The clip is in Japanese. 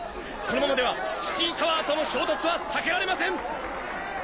このままではシティータワーとの衝突は避けられません！